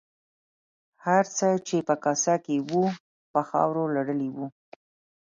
هر څه چې په کاسه کې وو په خاورو لړلي وو.